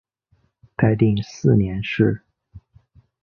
泰定四年事。